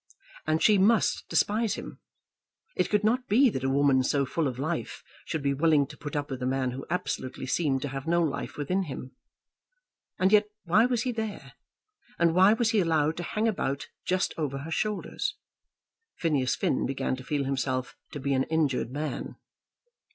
And she must despise him! It could not be that a woman so full of life should be willing to put up with a man who absolutely seemed to have no life within him. And yet why was he there, and why was he allowed to hang about just over her shoulders? Phineas Finn began to feel himself to be an injured man.